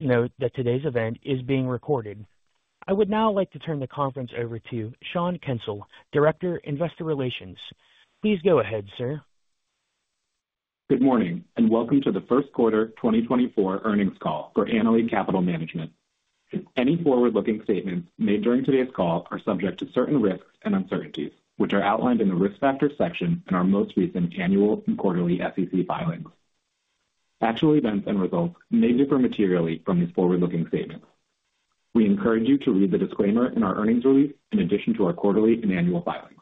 Note that today's event is being recorded. I would now like to turn the conference over to Sean Kensil, Director, Investor Relations. Please go ahead, sir. Good morning, and welcome to the first quarter 2024 earnings call for Annaly Capital Management. Any forward-looking statements made during today's call are subject to certain risks and uncertainties, which are outlined in the Risk Factors section in our most recent annual and quarterly SEC filings. Actual events and results may differ materially from these forward-looking statements. We encourage you to read the disclaimer in our earnings release in addition to our quarterly and annual filings.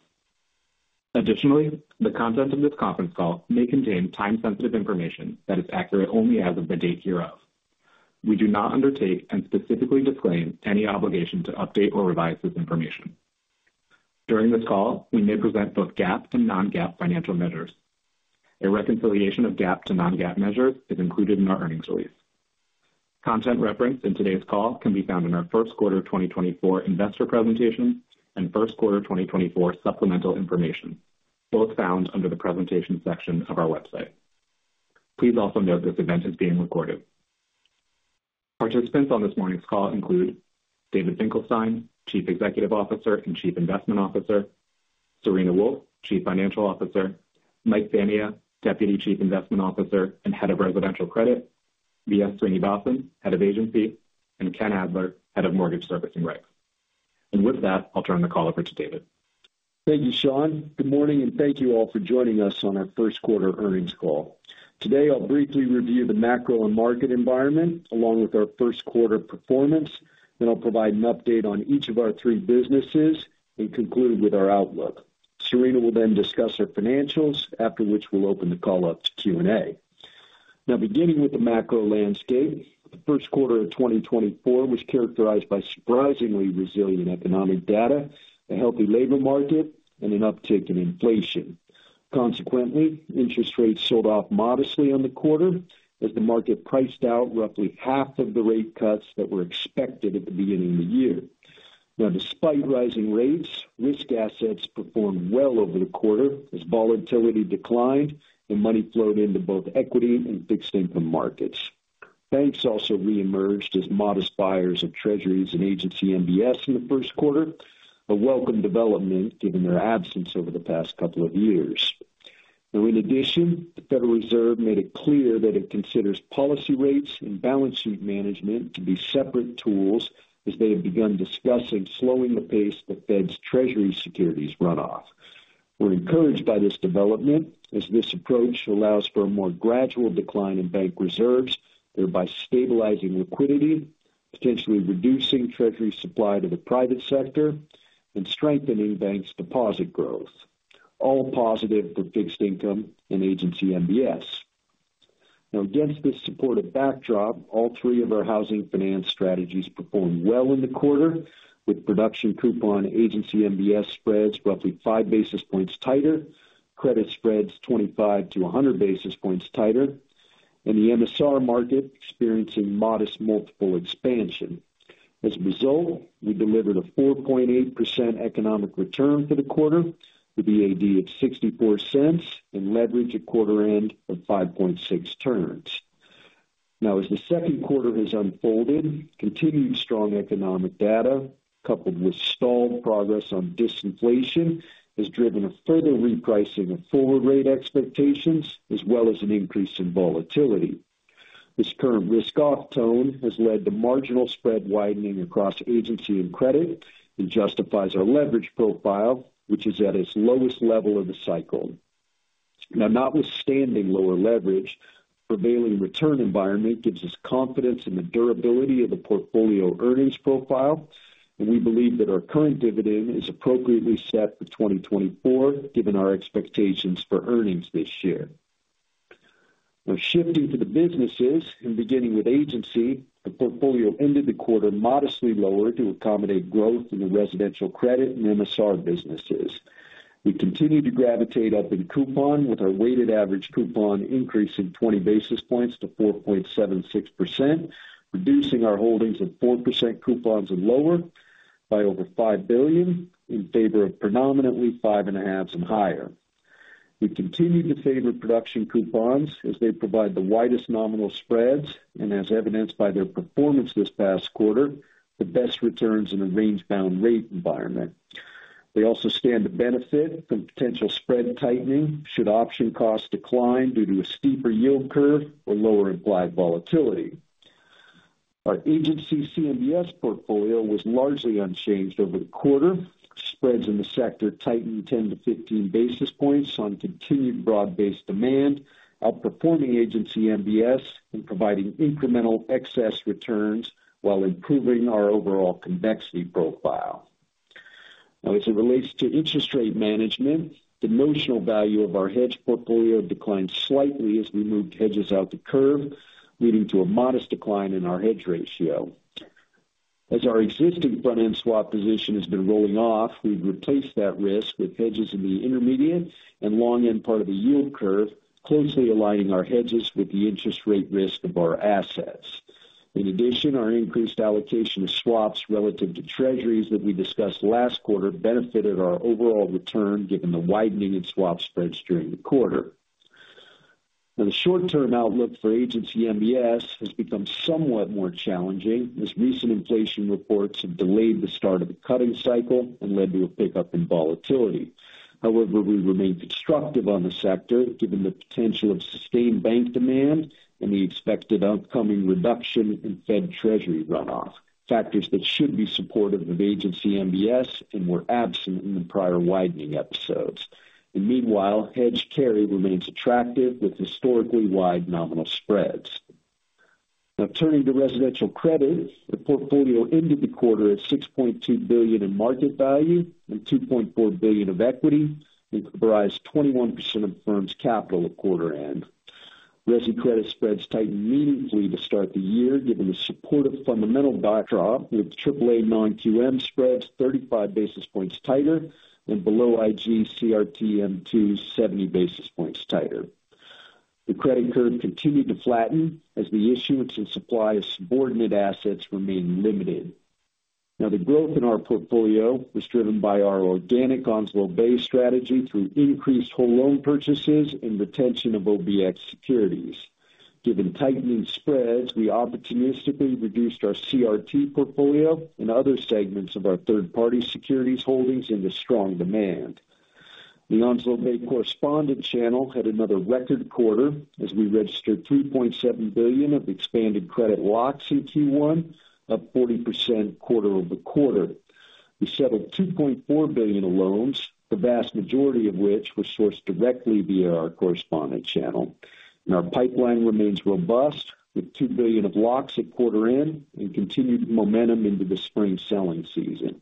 Additionally, the content of this conference call may contain time-sensitive information that is accurate only as of the date hereof. We do not undertake, and specifically disclaim, any obligation to update or revise this information. During this call, we may present both GAAP and non-GAAP financial measures. A reconciliation of GAAP to non-GAAP measures is included in our earnings release. Content referenced in today's call can be found in our first quarter 2024 investor presentation and first quarter 2024 supplemental information, both found under the Presentation section of our website. Please also note this event is being recorded. Participants on this morning's call include David Finkelstein, Chief Executive Officer and Chief Investment Officer, Serena Wolfe, Chief Financial Officer, Mike Fania, Deputy Chief Investment Officer and Head of Residential Credit, V.S. Srinivasan, Head of Agency, and Ken Adler, Head of Mortgage Servicing Rights. With that, I'll turn the call over to David. Thank you, Sean. Good morning, and thank you all for joining us on our first quarter earnings call. Today, I'll briefly review the macro and market environment, along with our first quarter performance, then I'll provide an update on each of our three businesses and conclude with our outlook. Serena will then discuss our financials, after which we'll open the call up to Q&A. Now, beginning with the macro landscape, the first quarter of 2024 was characterized by surprisingly resilient economic data, a healthy labor market, and an uptick in inflation. Consequently, interest rates sold off modestly on the quarter as the market priced out roughly half of the rate cuts that were expected at the beginning of the year. Now, despite rising rates, risk assets performed well over the quarter as volatility declined and money flowed into both equity and fixed income markets. Banks also reemerged as modest buyers of treasuries and Agency MBS in the first quarter, a welcome development given their absence over the past couple of years. Now, in addition, the Federal Reserve made it clear that it considers policy rates and balance sheet management to be separate tools as they have begun discussing slowing the pace of the Fed's treasury securities runoff. We're encouraged by this development, as this approach allows for a more gradual decline in bank reserves, thereby stabilizing liquidity, potentially reducing treasury supply to the private sector, and strengthening banks' deposit growth, all positive for fixed income and Agency MBS. Now, against this supportive backdrop, all three of our housing finance strategies performed well in the quarter, with production coupon Agency MBS spreads roughly 5 basis points tighter, credit spreads 25-100 basis points tighter, and the MSR market experiencing modest multiple expansion. As a result, we delivered a 4.8% economic return for the quarter with an EAD of $0.64 and leverage at quarter end of 5.6 turns. Now, as the second quarter has unfolded, continued strong economic data, coupled with stalled progress on disinflation, has driven a further repricing of forward rate expectations, as well as an increase in volatility. This current risk-off tone has led to marginal spread widening across agency and credit and justifies our leverage profile, which is at its lowest level of the cycle. Now, notwithstanding lower leverage, prevailing return environment gives us confidence in the durability of the portfolio earnings profile, and we believe that our current dividend is appropriately set for 2024, given our expectations for earnings this year. Now, shifting to the businesses and beginning with Agency, the portfolio ended the quarter modestly lower to accommodate growth in the residential credit and MSR businesses. We continued to gravitate up in coupon, with our weighted average coupon increasing 20 basis points to 4.76%, reducing our holdings of 4% coupons and lower by over $5 billion in favor of predominantly 5.5% and higher. We've continued to favor production coupons as they provide the widest nominal spreads and, as evidenced by their performance this past quarter, the best returns in a range-bound rate environment. They also stand to benefit from potential spread tightening should option costs decline due to a steeper yield curve or lower implied volatility. Our Agency CMBS portfolio was largely unchanged over the quarter. Spreads in the sector tightened 10-15 basis points on continued broad-based demand, outperforming Agency MBS and providing incremental excess returns while improving our overall convexity profile. Now, as it relates to interest rate management, the notional value of our hedge portfolio declined slightly as we moved hedges out the curve, leading to a modest decline in our hedge ratio. As our existing front-end swap position has been rolling off, we've replaced that risk with hedges in the intermediate and long-end part of the yield curve, closely aligning our hedges with the interest rate risk of our assets. In addition, our increased allocation of Swaps relative to Treasuries that we discussed last quarter benefited our overall return given the widening of swap spreads during the quarter.... Now, the short-term outlook for Agency MBS has become somewhat more challenging, as recent inflation reports have delayed the start of the cutting cycle and led to a pickup in volatility. However, we remain constructive on the sector, given the potential of sustained bank demand and the expected upcoming reduction in Fed treasury runoff, factors that should be supportive of Agency MBS and were absent in the prior widening episodes. Meanwhile, hedge carry remains attractive, with historically wide nominal spreads. Now turning to Residential Credit. The portfolio ended the quarter at $6.2 billion in market value and $2.4 billion of equity, which comprised 21% of the firm's capital at quarter end. Resi credit spreads tightened meaningfully to start the year, given the supportive fundamental backdrop, with triple A non-QM spreads 35 basis points tighter and below IG CRT M2 70 basis points tighter. The credit curve continued to flatten as the issuance and supply of subordinate assets remained limited. Now, the growth in our portfolio was driven by our organic Onslow Bay strategy through increased whole loan purchases and retention of OBX securities. Given tightening spreads, we opportunistically reduced our CRT portfolio and other segments of our third-party securities holdings into strong demand. The Onslow Bay correspondent channel had another record quarter as we registered $3.7 billion of expanded credit locks in Q1, up 40% quarter-over-quarter. We settled $2.4 billion in loans, the vast majority of which were sourced directly via our correspondent channel. Our pipeline remains robust, with $2 billion of locks at quarter end and continued momentum into the spring selling season.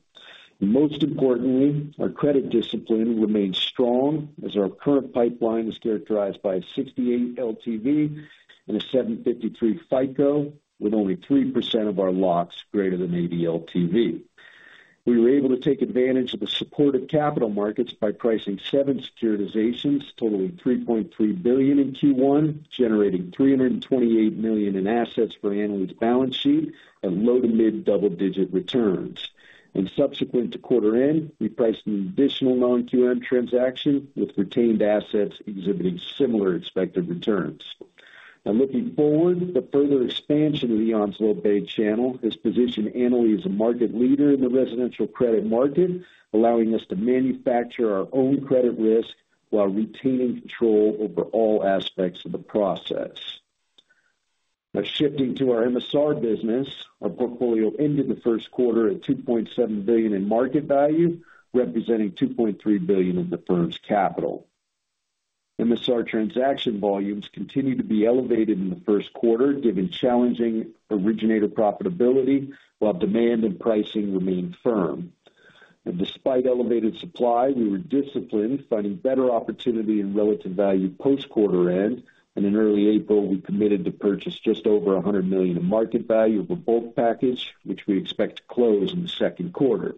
Most importantly, our credit discipline remains strong as our current pipeline is characterized by a 68 LTV and a 753 FICO, with only 3% of our locks greater than 80 LTV. We were able to take advantage of the supportive capital markets by pricing 7 securitizations, totaling $3.3 billion in Q1, generating $328 million in assets for Annaly's balance sheet at low- to mid-double-digit returns. Subsequent to quarter end, we priced an additional non-QM transaction, with retained assets exhibiting similar expected returns. Now, looking forward, the further expansion of the Onslow Bay channel has positioned Annaly as a market leader in the residential credit market, allowing us to manufacture our own credit risk while retaining control over all aspects of the process. Now shifting to our MSR business, our portfolio ended the first quarter at $2.7 billion in market value, representing $2.3 billion in the firm's capital. MSR transaction volumes continued to be elevated in the first quarter, given challenging originator profitability, while demand and pricing remained firm. Despite elevated supply, we were disciplined, finding better opportunity and relative value post-quarter end. In early April, we committed to purchase just over $100 million in market value of a bulk package, which we expect to close in the second quarter.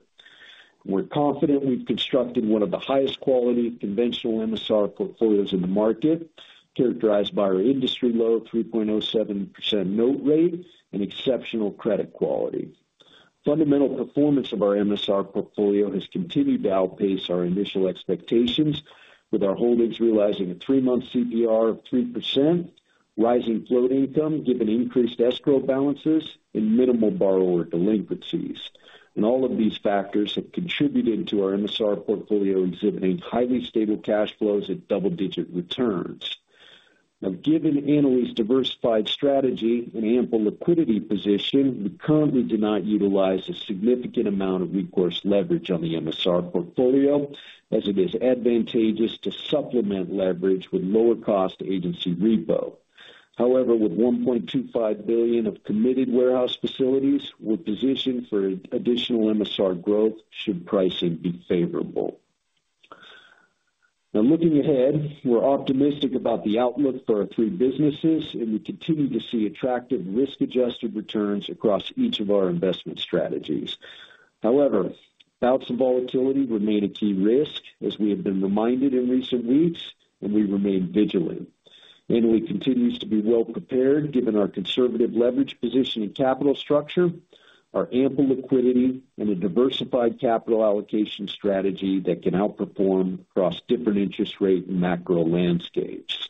We're confident we've constructed one of the highest quality conventional MSR portfolios in the market, characterized by our industry-low 3.07% note rate and exceptional credit quality. Fundamental performance of our MSR portfolio has continued to outpace our initial expectations, with our holdings realizing a three-month CPR of 3%, rising float income given increased escrow balances and minimal borrower delinquencies. All of these factors have contributed to our MSR portfolio exhibiting highly stable cash flows at double-digit returns. Now, given Annaly's diversified strategy and ample liquidity position, we currently do not utilize a significant amount of recourse leverage on the MSR portfolio, as it is advantageous to supplement leverage with lower-cost agency repo. However, with $1.25 billion of committed warehouse facilities, we're positioned for additional MSR growth should pricing be favorable. Now, looking ahead, we're optimistic about the outlook for our three businesses, and we continue to see attractive risk-adjusted returns across each of our investment strategies. However, bouts of volatility remain a key risk, as we have been reminded in recent weeks, and we remain vigilant. Annaly continues to be well prepared, given our conservative leverage position and capital structure, our ample liquidity, and a diversified capital allocation strategy that can outperform across different interest rate and macro landscapes.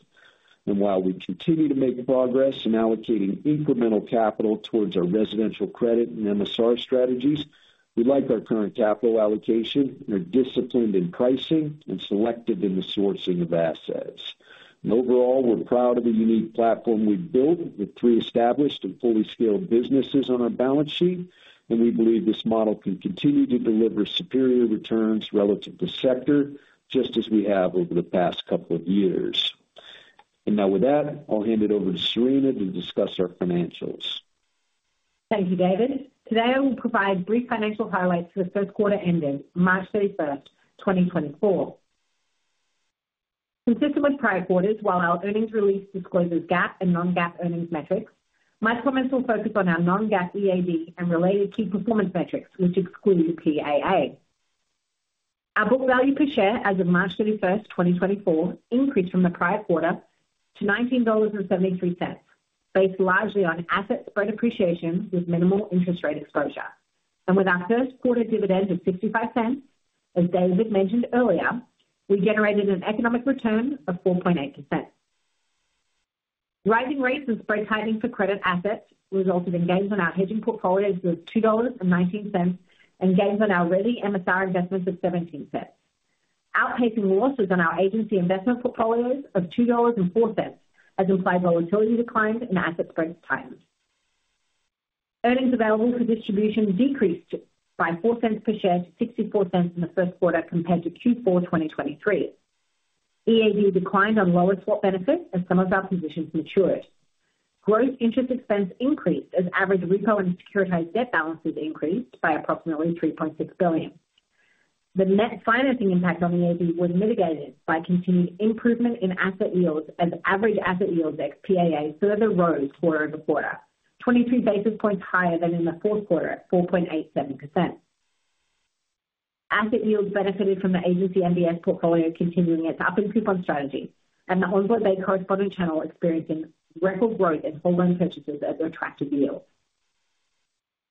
And while we continue to make progress in allocating incremental capital towards our residential credit and MSR strategies, we like our current capital allocation and are disciplined in pricing and selective in the sourcing of assets. And overall, we're proud of the unique platform we've built with three established and fully scaled businesses on our balance sheet, and we believe this model can continue to deliver superior returns relative to sector, just as we have over the past couple of years. And now, with that, I'll hand it over to Serena to discuss our financials. Thank you, David. Today, I will provide brief financial highlights for the first quarter ended March 31, 2024. Consistent with prior quarters, while our earnings release discloses GAAP and non-GAAP earnings metrics, my comments will focus on our non-GAAP EAD and related key performance metrics, which exclude the PAA. Our book value per share as of March 31, 2024, increased from the prior quarter to $19.73, based largely on asset spread appreciation with minimal interest rate exposure. With our first quarter dividend of $0.65, as David mentioned earlier, we generated an economic return of 4.8%. Rising rates and spread tightening for credit assets resulted in gains on our hedging portfolios of $2.19 and gains on our Resi and MSR investments of $0.17. Outpacing losses on our Agency investment portfolios of $2.04 as implied volatility declined and asset spreads tightened. Earnings available for distribution decreased by $0.04 per share to $0.64 in the first quarter compared to Q4 2023. EAD declined on lower swap benefits as some of our positions matured. Gross interest expense increased as average repo and securitized debt balances increased by approximately $3.6 billion. The net financing impact on the EAD was mitigated by continued improvement in asset yields, as average asset yields ex PAA further rose quarter-over-quarter, 22 basis points higher than in the fourth quarter at 4.87%. Asset yields benefited from the Agency MBS portfolio, continuing its up-in-coupon strategy and the Onslow Bay correspondent channel experiencing record growth in whole loan purchases as attractive yields.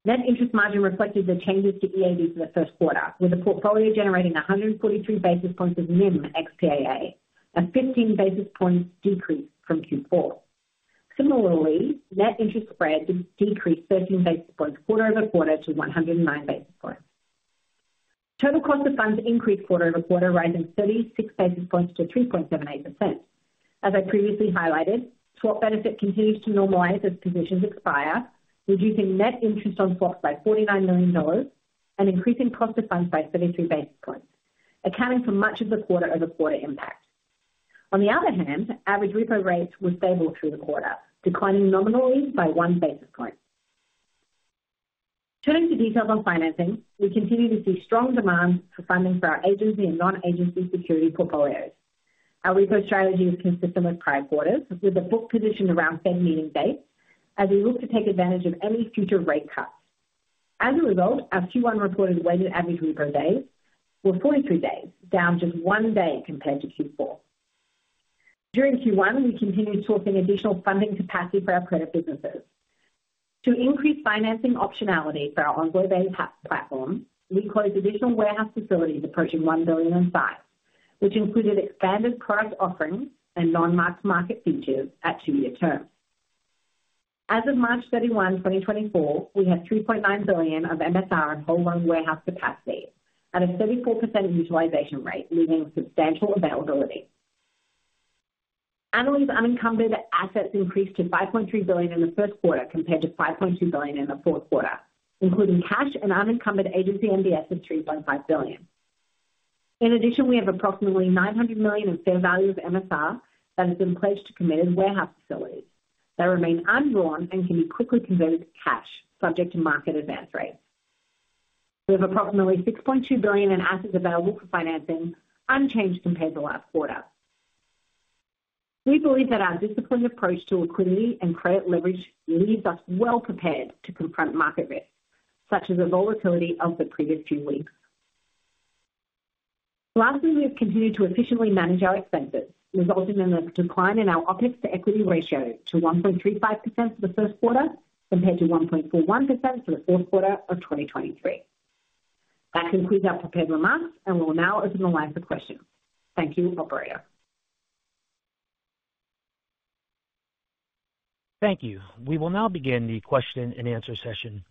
Net interest margin reflected the changes to EAD in the first quarter, with the portfolio generating 143 basis points of NIM ex PAA, a 15 basis points decrease from Q4. Similarly, net interest spread decreased 13 basis points quarter-over-quarter to 109 basis points. Total cost of funds increased quarter-over-quarter, rising 36 basis points to 3.78%. As I previously highlighted, swap benefit continues to normalize as positions expire, reducing net interest on swaps by $49 million and increasing cost of funds by 32 basis points, accounting for much of the quarter-over-quarter impact. On the other hand, average repo rates were stable through the quarter, declining nominally by 1 basis point. Turning to details on financing, we continue to see strong demand for funding for our agency and non-agency security portfolios. Our repo strategy is consistent with prior quarters, with the book positioned around Fed meeting dates as we look to take advantage of any future rate cuts. As a result, our Q1 reported weighted average repo days were 43 days, down just 1 day compared to Q4. During Q1, we continued sourcing additional funding capacity for our credit businesses. To increase financing optionality for our Onslow Bay platform, we closed additional warehouse facilities approaching $1 billion in size, which included expanded product offerings and non-mark-to-market features at 2-year term. As of March 31, 2024, we had $3.9 billion of MSR and home loan warehouse capacity at a 34% utilization rate, leaving substantial availability. Annaly, unencumbered assets increased to $5.3 billion in the first quarter, compared to $5.2 billion in the fourth quarter, including cash and unencumbered Agency MBS of $3.5 billion. In addition, we have approximately $900 million in fair value of MSR that has been pledged to committed warehouse facilities. They remain undrawn and can be quickly converted to cash, subject to market advance rates. We have approximately $6.2 billion in assets available for financing, unchanged compared to last quarter. We believe that our disciplined approach to liquidity and credit leverage leaves us well prepared to confront market risks, such as the volatility of the previous few weeks. Lastly, we have continued to efficiently manage our expenses, resulting in a decline in our OpEx to equity ratio to 1.35% for the first quarter, compared to 1.41% for the fourth quarter of 2023. That concludes our prepared remarks, and we'll now open the line for questions. Thank you, operator. Thank you. We will now begin the question and answer session.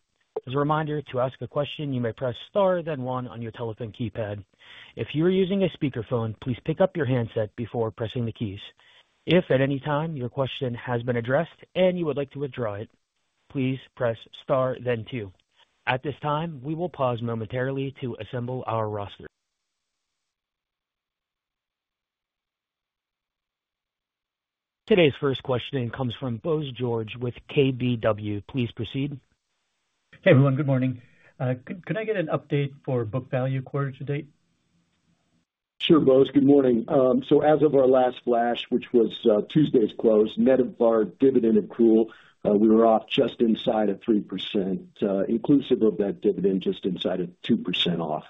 As a reminder, to ask a question, you may press star then one on your telephone keypad. If you are using a speakerphone, please pick up your handset before pressing the keys. If at any time your question has been addressed and you would like to withdraw it, please press star then two. At this time, we will pause momentarily to assemble our roster. Today's first questioning comes from Bose George with KBW. Please proceed. Hey, everyone. Good morning. Could I get an update for book value quarter to date? Sure, Bose. Good morning. So as of our last flash, which was Tuesday's close, net of our dividend accrual, we were off just inside of 3%, inclusive of that dividend, just inside of 2% off.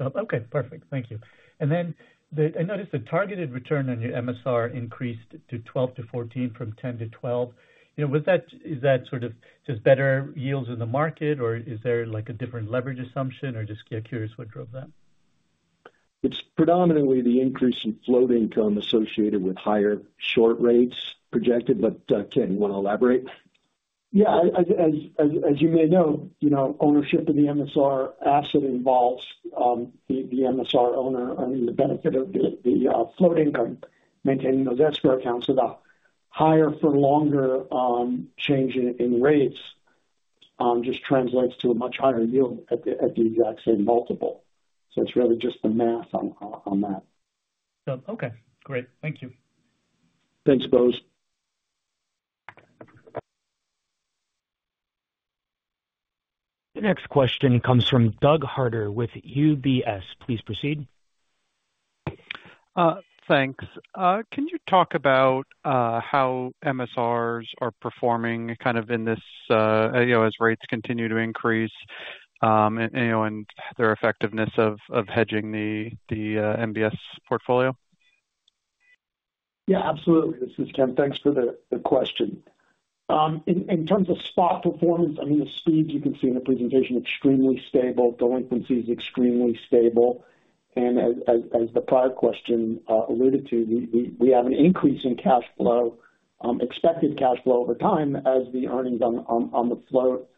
Oh, okay. Perfect. Thank you. And then I noticed the targeted return on your MSR increased to 12-14 from 10-12. You know, was that, is that sort of just better yields in the market, or is there, like, a different leverage assumption, or just get curious what drove that? It's predominantly the increase in float income associated with higher short rates projected. But, Ken, you want to elaborate? Yeah, as you may know, you know, ownership of the MSR asset involves the MSR owner owning the benefit of the floating income, maintaining those escrow accounts. So the higher for longer change in rates just translates to a much higher yield at the exact same multiple. So it's really just the math on that. Okay, great. Thank you. Thanks, Bose. The next question comes from Doug Harter with UBS. Please proceed. Thanks. Can you talk about how MSRs are performing kind of in this, you know, as rates continue to increase, and, you know, and their effectiveness in hedging the MBS portfolio?... Yeah, absolutely. This is Ken. Thanks for the question. In terms of spot performance, I mean, the speeds you can see in the presentation, extremely stable, delinquency is extremely stable. And as the prior question alluded to, we have an increase in cash flow, expected cash flow over time as the earnings on the float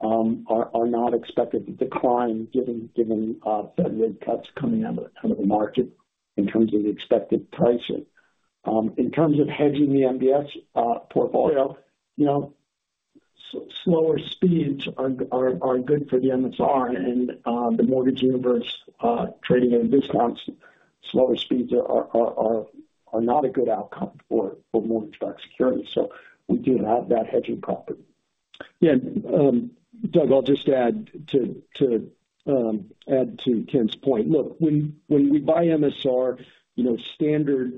are not expected to decline given the rate cuts coming out of the market in terms of the expected pricing. In terms of hedging the MBS portfolio, you know, slower speeds are good for the MSR and the mortgage universe trading at a discount. Slower speeds are not a good outcome for mortgage-backed securities. So we do have that hedging property. Yeah. Doug, I'll just add to Ken's point. Look, when we buy MSR, you know, standard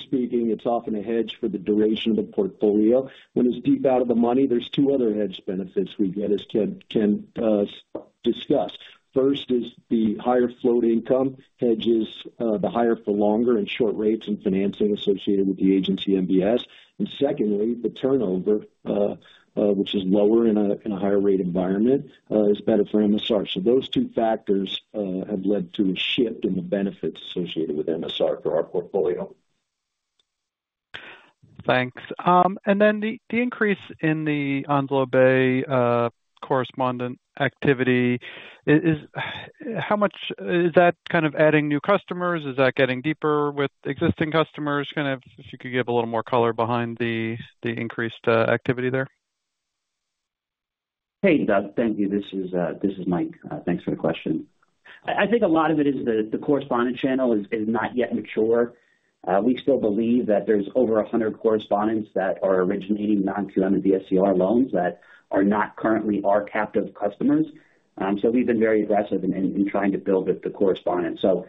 speaking, it's often a hedge for the duration of the portfolio. When it's deep out of the money, there's two other hedge benefits we get, as Ken discussed. First is the higher float income hedges the higher for longer and short rates and financing associated with the agency MBS. And secondly, the turnover, which is lower in a higher rate market environment, is better for MSR. So those two factors have led to a shift in the benefits associated with MSR for our portfolio. Thanks. And then the increase in the Onslow Bay correspondent activity is—how much? Is that kind of adding new customers? Is that getting deeper with existing customers? Kind of, if you could give a little more color behind the increased activity there. Hey, Doug. Thank you. This is Mike. Thanks for the question. I think a lot of it is the correspondent channel is not yet mature. We still believe that there's over 100 correspondents that are originating non-QM and DSCR loans that are not currently our captive customers. So we've been very aggressive in trying to build up the correspondent. So,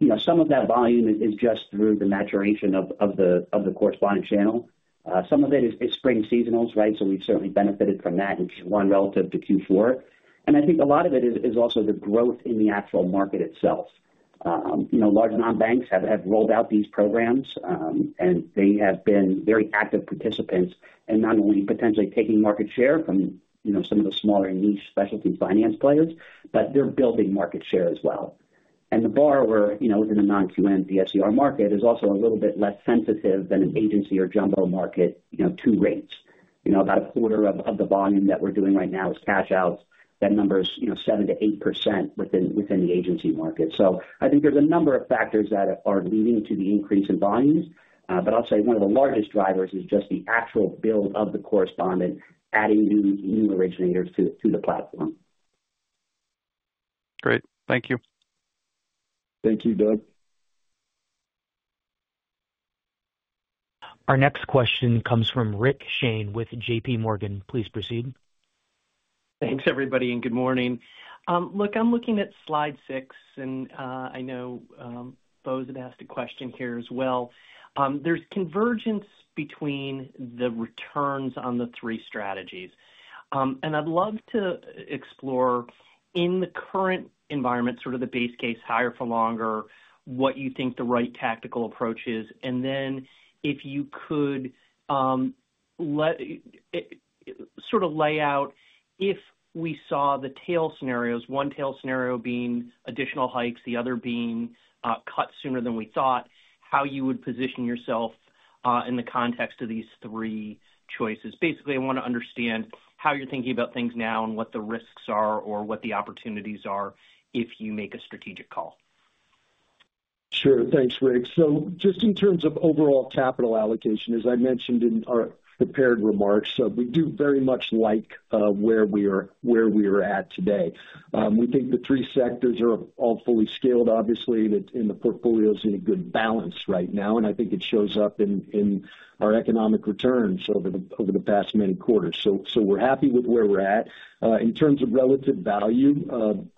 you know, some of that volume is just through the maturation of the correspondent channel. Some of it is spring seasonals, right? So we've certainly benefited from that, which is one relative to Q4. And I think a lot of it is also the growth in the actual market itself. You know, large non-banks have rolled out these programs, and they have been very active participants in not only potentially taking market share from, you know, some of the smaller niche specialty finance players, but they're building market share as well. And the borrower, you know, within the non-QM DSCR market, is also a little bit less sensitive than an agency or jumbo market, you know, to rates. You know, about a quarter of the volume that we're doing right now is cash out. That number is, you know, 7%-8% within the agency market. So I think there's a number of factors that are leading to the increase in volumes. But I'll say one of the largest drivers is just the actual build of the correspondent, adding new originators to the platform. Great. Thank you. Thank you, Doug. Our next question comes from Rick Shane with J.P. Morgan. Please proceed. Thanks, everybody, and good morning. Look, I'm looking at slide six, and I know, Bose had asked a question here as well. There's convergence between the returns on the three strategies. And I'd love to explore in the current environment, sort of the base case, higher for longer, what you think the right tactical approach is. And then if you could, let sort of lay out if we saw the tail scenarios, one tail scenario being additional hikes, the other being, cut sooner than we thought, how you would position yourself, in the context of these three choices? Basically, I want to understand how you're thinking about things now and what the risks are or what the opportunities are if you make a strategic call. Sure. Thanks, Rick. So just in terms of overall capital allocation, as I mentioned in our prepared remarks, so we do very much like, where we are, where we are at today. We think the three sectors are all fully scaled, obviously, that and the portfolio is in a good balance right now, and I think it shows up in, in our economic returns over the, over the past many quarters. So, so we're happy with where we're at. In terms of relative value,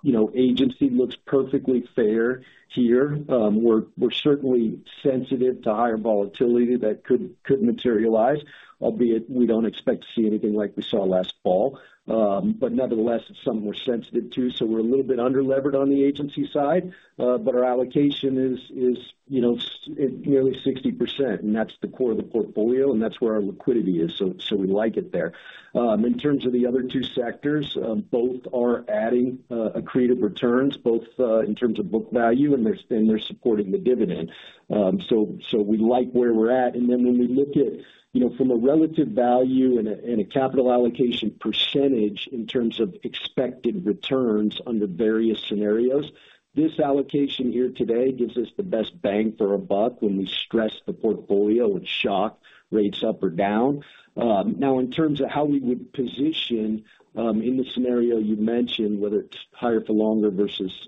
you know, agency looks perfectly fair here. We're, we're certainly sensitive to higher volatility that could, could materialize, albeit we don't expect to see anything like we saw last fall. But nevertheless, it's something we're sensitive to, so we're a little bit underlevered on the agency side. But our allocation is, you know, nearly 60%, and that's the core of the portfolio, and that's where our liquidity is, so we like it there. In terms of the other two sectors, both are adding accretive returns, both in terms of book value, and they're supporting the dividend. So we like where we're at. And then when we look at, you know, from a relative value and a capital allocation percentage in terms of expected returns under various scenarios, this allocation here today gives us the best bang for our buck when we stress the portfolio with shock rates up or down. Now, in terms of how we would position in the scenario you mentioned, whether it's higher for longer versus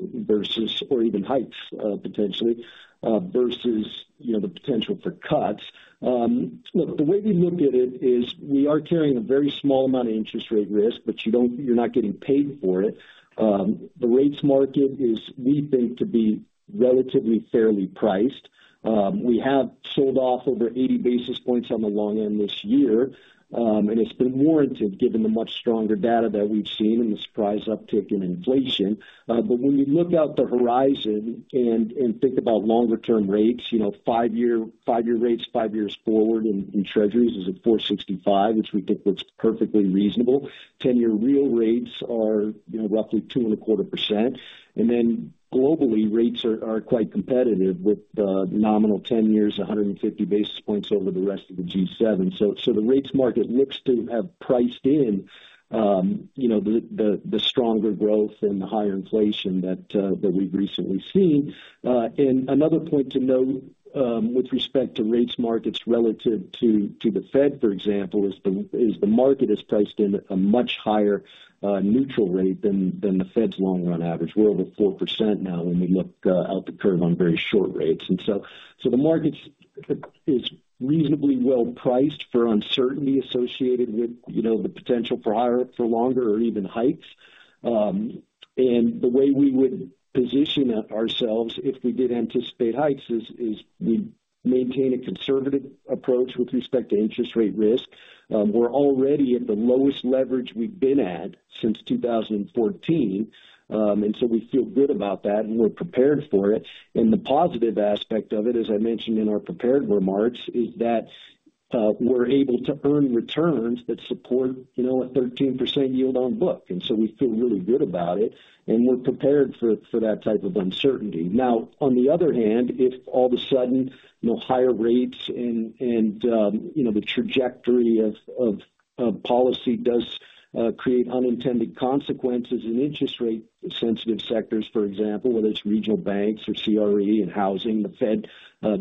or even hikes, potentially, versus, you know, the potential for cuts. Look, the way we look at it is we are carrying a very small amount of interest rate risk, but you're not getting paid for it. The rates market is, we think, to be relatively fairly priced. We have sold off over 80 basis points on the long end this year. And it's been warranted, given the much stronger data that we've seen and the surprise uptick in inflation. But when you look out to the horizon and think about longer term rates, you know, 5-year rates, 5 years forward in Treasuries is at 4.65, which we think looks perfectly reasonable. Ten-year real rates are, you know, roughly 2.25%. And then globally, rates are quite competitive with nominal ten years, 150 basis points over the rest of the G7. So the rates market looks to have priced in, you know, the stronger growth and the higher inflation that we've recently seen. And another point to note, with respect to rates markets relative to the Fed, for example, is the market has priced in a much higher neutral rate than the Fed's long run average. We're over 4% now when we look out the curve on very short rates. And so the markets is reasonably well priced for uncertainty associated with, you know, the potential for higher, for longer or even hikes. And the way we would position ourselves if we did anticipate hikes is we maintain a conservative approach with respect to interest rate risk. We're already at the lowest leverage we've been at since 2014. And so we feel good about that, and we're prepared for it. And the positive aspect of it, as I mentioned in our prepared remarks, is that we're able to earn returns that support, you know, a 13% yield on book. And so we feel really good about it, and we're prepared for that type of uncertainty. Now, on the other hand, if all of a sudden, you know, higher rates and, you know, the trajectory of policy does create unintended consequences in interest rate sensitive sectors, for example, whether it's regional banks or CRE and housing, the Fed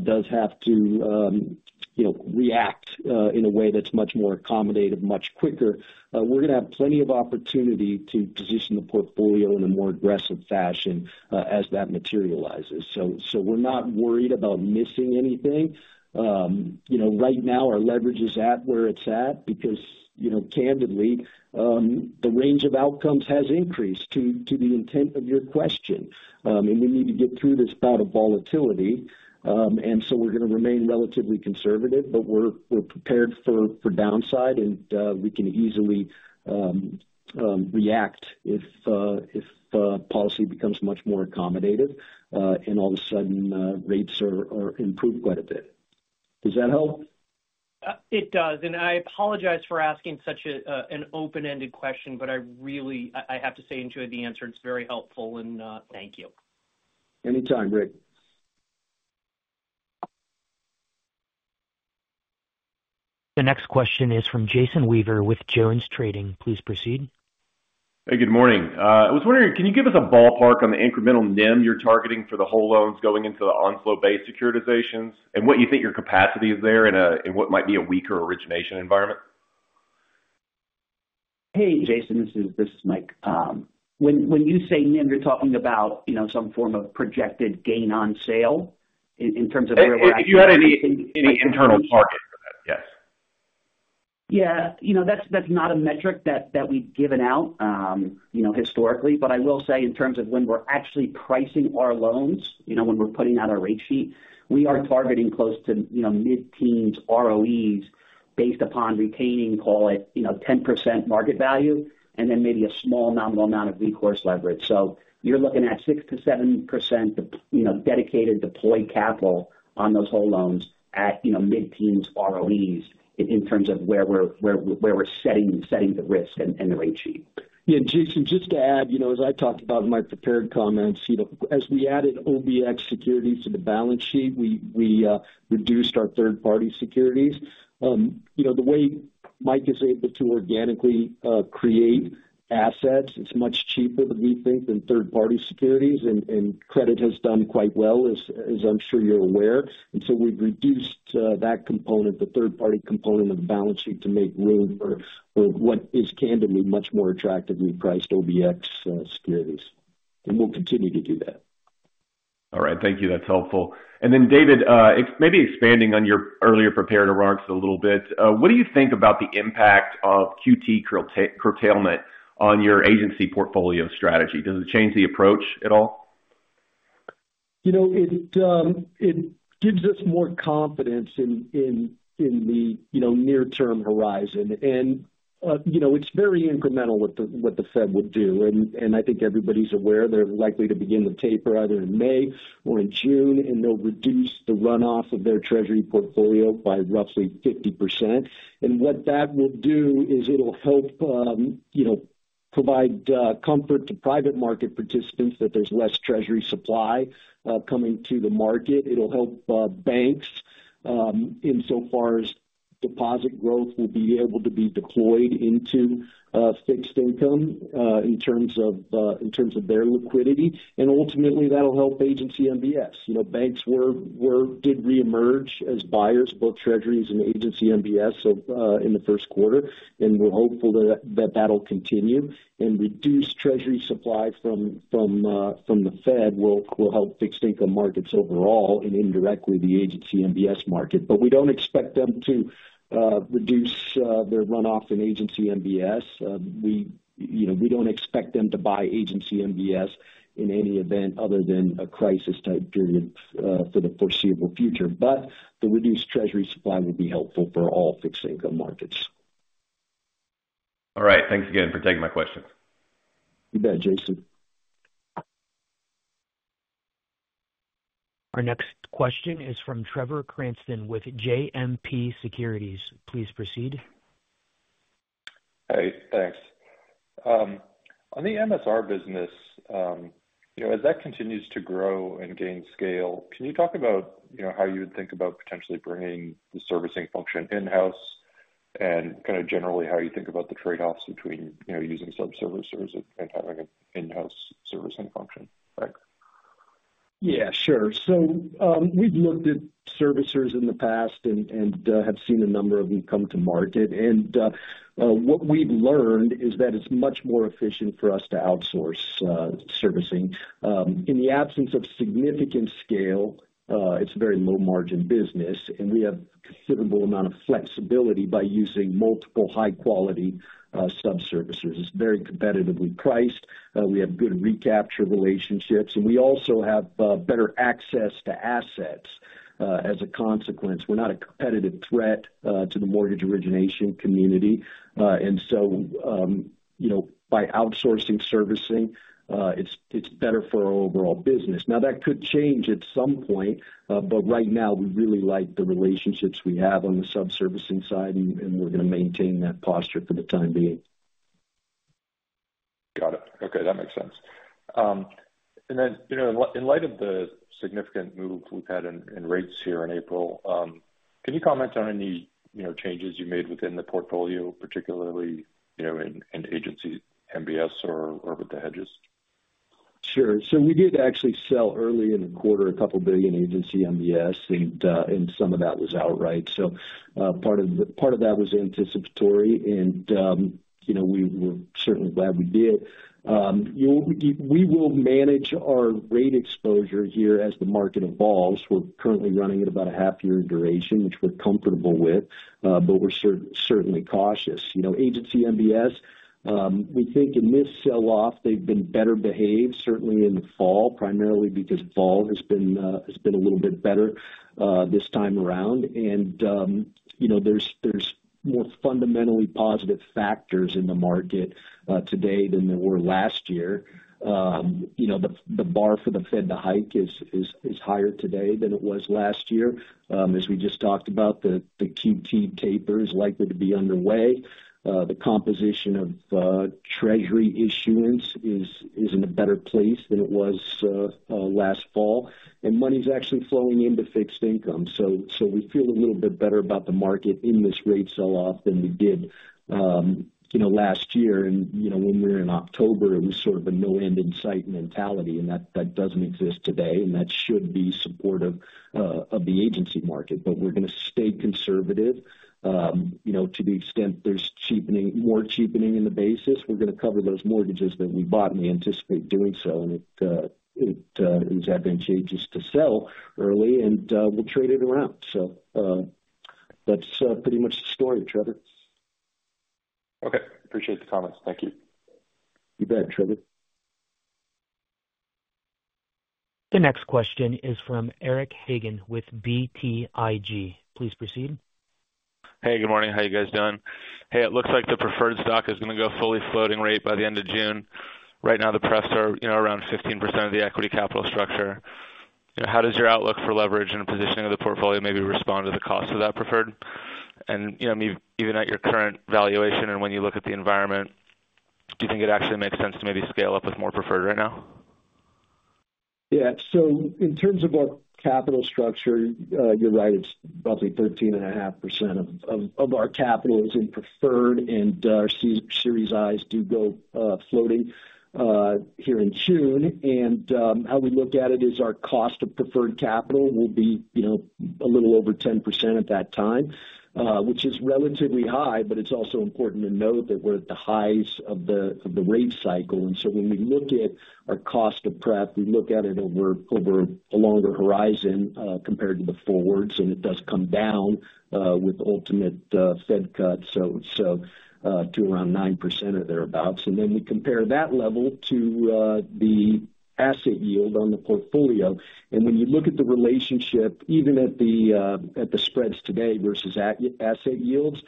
does have to, you know, react in a way that's much more accommodative, much quicker. We're gonna have plenty of opportunity to position the portfolio in a more aggressive fashion as that materializes. So we're not worried about missing anything. You know, right now, our leverage is at where it's at because, you know, candidly, the range of outcomes has increased to the intent of your question. And we need to get through this bout of volatility. And so we're gonna remain relatively conservative, but we're prepared for downside, and we can easily react if policy becomes much more accommodative, and all of a sudden rates are improved quite a bit. Does that help? It does, and I apologize for asking such an open-ended question, but I really have to say I enjoyed the answer. It's very helpful, and thank you. Anytime, Rick. The next question is from Jason Weaver with JonesTrading. Please proceed. Hey, good morning. I was wondering, can you give us a ballpark on the incremental NIM you're targeting for the whole loans going into the Onslow-Bay securitizations, and what you think your capacity is there in what might be a weaker origination environment? Hey, Jason, this is Mike. When you say NIM, you're talking about, you know, some form of projected gain on sale in terms of where we're at? If you had any internal target for that? Yes. Yeah. You know, that's not a metric that we've given out historically, but I will say in terms of when we're actually pricing our loans, you know, when we're putting out a rate sheet, we are targeting close to, you know, mid-teens ROEs based upon retaining, call it, you know, 10% market value, and then maybe a small nominal amount of recourse leverage. So you're looking at 6%-7%, you know, dedicated deployed capital on those whole loans at, you know, mid-teens ROEs in terms of where we're setting the risk and the rate sheet. Yeah, Jason, just to add, you know, as I talked about in my prepared comments, you know, as we added OBX Securities to the balance sheet, we reduced our third-party securities. You know, the way Mike is able to organically create assets, it's much cheaper, we think, than third-party securities. And credit has done quite well, as I'm sure you're aware. And so we've reduced that component, the third-party component of the balance sheet, to make room for what is candidly much more attractively priced OBX Securities. And we'll continue to do that. All right. Thank you. That's helpful. And then, David, maybe expanding on your earlier prepared remarks a little bit. What do you think about the impact of QT curtailment on your agency portfolio strategy? Does it change the approach at all? You know, it, it gives us more confidence in the near-term horizon. And you know, it's very incremental what the Fed would do. And I think everybody's aware they're likely to begin the taper either in May or in June, and they'll reduce the runoff of their Treasury portfolio by roughly 50%. And what that will do is it'll help you know, provide comfort to private market participants that there's less Treasury supply coming to the market. It'll help banks in so far as deposit growth will be able to be deployed into fixed income in terms of their liquidity. And ultimately, that'll help Agency MBS. You know, banks did reemerge as buyers, both Treasuries and Agency MBS, so, in the first quarter, and we're hopeful that that'll continue. And reduce Treasury supply from the Fed will help fixed income markets overall and indirectly, the Agency MBS market. But we don't expect them to reduce their runoff in Agency MBS. You know, we don't expect them to buy Agency MBS in any event other than a crisis-type period, for the foreseeable future. But the reduced Treasury supply will be helpful for all fixed income markets. All right. Thanks again for taking my question. You bet, Jason. Our next question is from Trevor Cranston with JMP Securities. Please proceed. Hey, thanks. On the MSR business, you know, as that continues to grow and gain scale, can you talk about, you know, how you would think about potentially bringing the servicing function in-house? And kind of generally, how you think about the trade-offs between, you know, using sub-servicers and having an in-house servicing function? Thanks. Yeah, sure. So, we've looked at servicers in the past and have seen a number of them come to market. What we've learned is that it's much more efficient for us to outsource servicing. In the absence of significant scale, it's a very low-margin business, and we have considerable amount of flexibility by using multiple high-quality sub-servicers. It's very competitively priced. We have good recapture relationships, and we also have better access to assets. As a consequence, we're not a competitive threat to the mortgage origination community. You know, by outsourcing servicing, it's better for our overall business. Now, that could change at some point, but right now, we really like the relationships we have on the sub-servicing side, and we're going to maintain that posture for the time being. Got it. Okay, that makes sense. And then, you know, in light of the significant moves we've had in rates here in April, can you comment on any, you know, changes you made within the portfolio, particularly, you know, in Agency MBS or with the hedges? Sure. So we did actually sell early in the quarter, $2 billion Agency MBS, and some of that was outright. So, part of that was anticipatory and, you know, we're certainly glad we did. You know, we will manage our rate exposure here as the market evolves. We're currently running at about a half-year duration, which we're comfortable with, but we're certainly cautious. You know, Agency MBS, we think in this sell-off, they've been better behaved, certainly in the fall, primarily because fall has been a little bit better, this time around. And, you know, there's more fundamentally positive factors in the market, today than there were last year. You know, the bar for the Fed to hike is higher today than it was last year. As we just talked about, the QT taper is likely to be underway. The composition of Treasury issuance is in a better place than it was last fall, and money's actually flowing into fixed income. So we feel a little bit better about the market in this rate sell-off than we did, you know, last year. And, you know, when we were in October, it was sort of a no end in sight mentality, and that doesn't exist today, and that should be supportive of the agency market. But we're gonna stay conservative. You know, to the extent there's cheapening, more cheapening in the basis, we're gonna cover those mortgages that we bought and we anticipate doing so. And it is advantageous to sell early, and we'll trade it around. So, that's pretty much the story, Trevor. Okay. Appreciate the comments. Thank you. You bet, Trevor. The next question is from Eric Hagen with BTIG. Please proceed. Hey, good morning. How you guys doing? Hey, it looks like the preferred stock is gonna go fully floating rate by the end of June. Right now, the pref's are, you know, around 15% of the equity capital structure. How does your outlook for leverage and positioning of the portfolio maybe respond to the cost of that preferred? And, you know, even at your current valuation and when you look at the environment, do you think it actually makes sense to maybe scale up with more preferred right now? Yeah. So in terms of our capital structure, you're right, it's roughly 13.5% of our capital is in preferred, and Series I's do go floating here in June. And how we look at it is our cost of preferred capital will be, you know, a little over 10% at that time, which is relatively high, but it's also important to note that we're at the highs of the rate cycle. And so when we look at our cost of prep, we look at it over a longer horizon compared to the forwards, and it does come down with ultimate Fed cuts, so to around 9% or thereabouts. And then we compare that level to the asset yield on the portfolio. When you look at the relationship, even at the spreads today versus asset yields,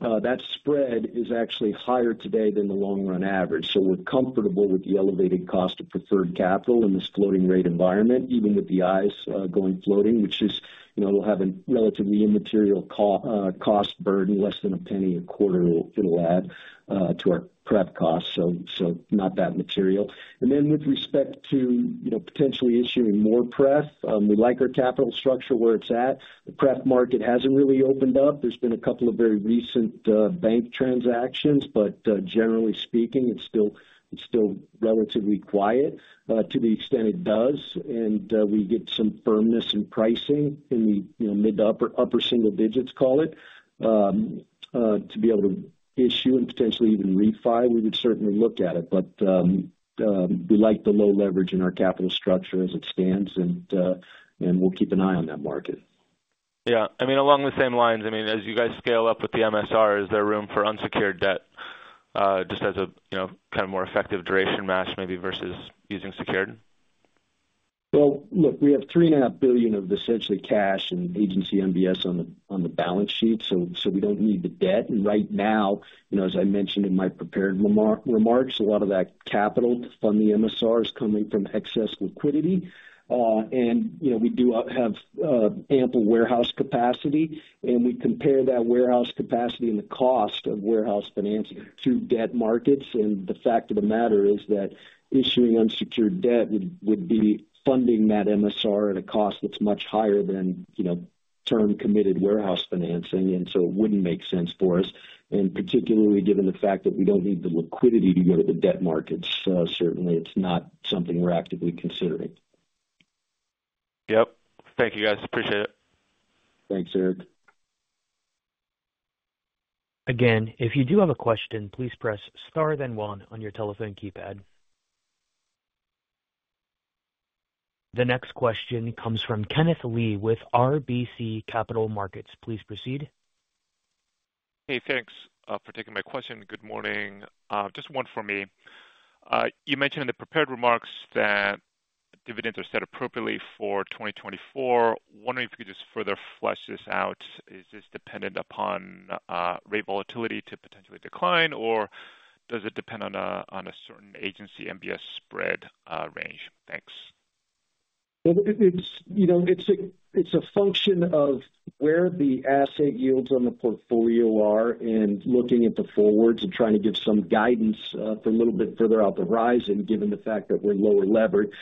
that spread is actually higher today than the long run average. So we're comfortable with the elevated cost of preferred capital in this floating rate environment, even with the I's going floating, which is, you know, we'll have a relatively immaterial cost burden, less than $0.01 a quarter it'll add to our prep costs. So not that material. And then with respect to, you know, potentially issuing more pref, we like our capital structure where it's at. The pref market hasn't really opened up. There's been a couple of very recent bank transactions, but generally speaking, it's still relatively quiet. To the extent it does, and, we get some firmness in pricing in the, you know, mid to upper, upper single digits, call it. To be able to issue and potentially even refi, we would certainly look at it. But, we like the low leverage in our capital structure as it stands, and, and we'll keep an eye on that market. Yeah. I mean, along the same lines, I mean, as you guys scale up with the MSR, is there room for unsecured debt just as a, you know, kind of more effective duration match maybe versus using secured? ... Well, look, we have $3.5 billion of essentially cash and Agency MBS on the balance sheet, so we don't need the debt. And right now, you know, as I mentioned in my prepared remarks, a lot of that capital to fund the MSR is coming from excess liquidity. And, you know, we do have ample warehouse capacity, and we compare that warehouse capacity and the cost of warehouse financing through debt markets. And the fact of the matter is that issuing unsecured debt would be funding that MSR at a cost that's much higher than, you know, term committed warehouse financing, and so it wouldn't make sense for us, and particularly given the fact that we don't need the liquidity to go to the debt markets. So certainly it's not something we're actively considering. Yep. Thank you, guys. Appreciate it. Thanks, Eric. Again, if you do have a question, please press star then one on your telephone keypad. The next question comes from Kenneth Lee with RBC Capital Markets. Please proceed. Hey, thanks for taking my question. Good morning. Just one for me. You mentioned in the prepared remarks that dividends are set appropriately for 2024. Wondering if you could just further flesh this out. Is this dependent upon rate volatility to potentially decline, or does it depend on a, on a certain Agency MBS spread range? Thanks. Well, you know, it's a function of where the asset yields on the portfolio are and looking at the forwards and trying to give some guidance for a little bit further out the horizon, given the fact that we're lower levered.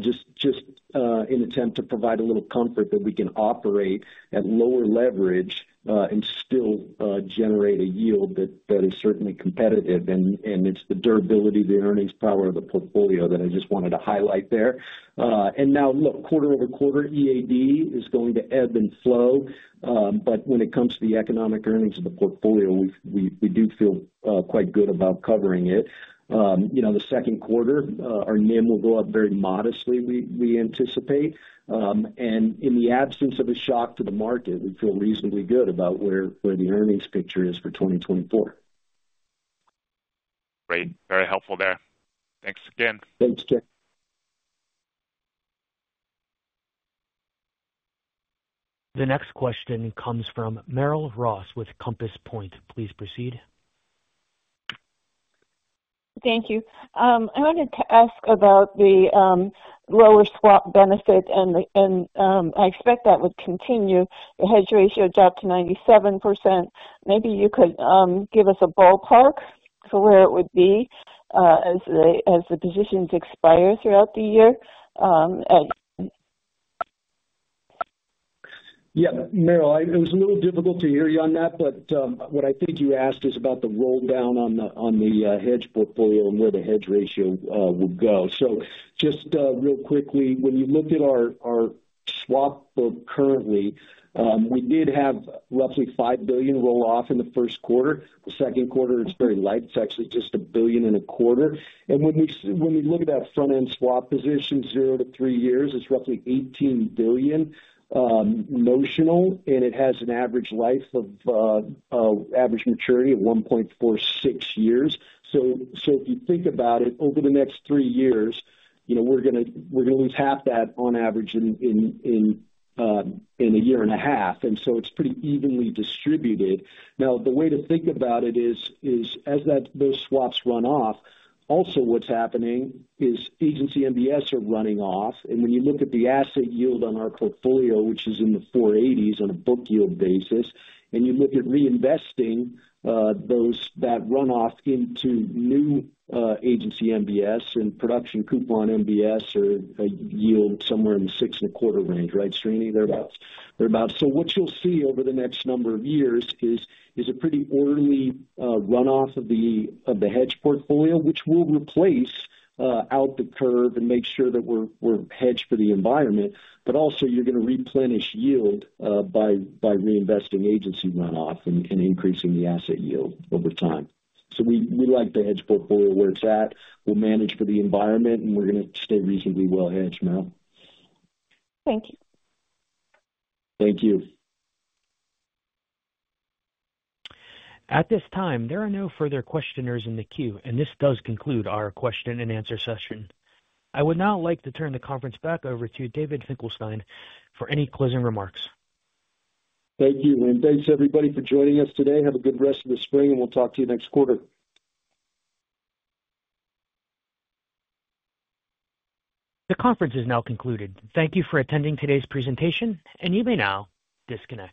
Just an attempt to provide a little comfort that we can operate at lower leverage and still generate a yield that is certainly competitive. And it's the durability of the earnings power of the portfolio that I just wanted to highlight there. And now, look, quarter-over-quarter, EAD is going to ebb and flow. But when it comes to the economic earnings of the portfolio, we do feel quite good about covering it. You know, the second quarter, our NIM will go up very modestly, we anticipate. And in the absence of a shock to the market, we feel reasonably good about where the earnings picture is for 2024. Great. Very helpful there. Thanks again. Thanks, Ken. The next question comes from Merrill Ross with Compass Point. Please proceed. Thank you. I wanted to ask about the lower swap benefit, and I expect that would continue. The hedge ratio dropped to 97%. Maybe you could give us a ballpark for where it would be as the positions expire throughout the year, and- Yeah. Merrill, it was a little difficult to hear you on that, but, what I think you asked is about the roll down on the, on the, hedge portfolio and where the hedge ratio, would go. So just, real quickly, when you look at our, our swap book currently, we did have roughly $5 billion roll off in the first quarter. The second quarter is very light. It's actually just $1.25 billion. And when we look at that front-end swap position, 0-3 years, it's roughly $18 billion, notional, and it has an average life of, average maturity of 1.46 years. So if you think about it, over the next three years, you know, we're gonna tap that on average in a year and a half, and so it's pretty evenly distributed. Now, the way to think about it is as those swaps run off, also what's happening is Agency MBS are running off. And when you look at the asset yield on our portfolio, which is in the 4.80s on a book yield basis, and you look at reinvesting that runoff into new Agency MBS and production coupon MBS at a yield somewhere in the 6.25 range. Right, Srini? There abouts. Thereabouts. So what you'll see over the next number of years is a pretty orderly runoff of the hedge portfolio, which we'll replace out the curve and make sure that we're hedged for the environment. But also you're gonna replenish yield by reinvesting agency runoff and increasing the asset yield over time. So we like the hedge portfolio where it's at. We'll manage for the environment, and we're gonna stay reasonably well hedged now. Thank you. Thank you. At this time, there are no further questioners in the queue, and this does conclude our question-and-answer session. I would now like to turn the conference back over to David Finkelstein for any closing remarks. Thank you, and thanks everybody for joining us today. Have a good rest of the spring, and we'll talk to you next quarter. The conference is now concluded. Thank you for attending today's presentation, and you may now disconnect.